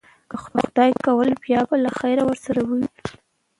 که خدای کول، بیا به له خیره سره ووینو.